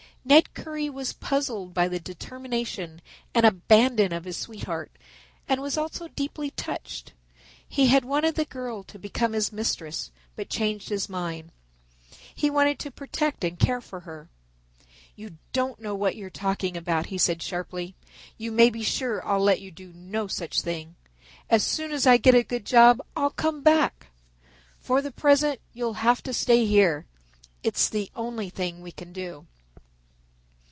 Ned Currie was puzzled by the determination and abandon of his sweetheart and was also deeply touched. He had wanted the girl to become his mistress but changed his mind. He wanted to protect and care for her. "You don't know what you're talking about," he said sharply; "you may be sure I'll let you do no such thing. As soon as I get a good job I'll come back. For the present you'll have to stay here. It's the only thing we can do."